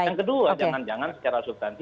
yang kedua jangan jangan secara substansi